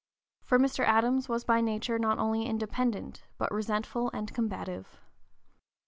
For Mr. Adams was by nature not only independent, but resentful and combative.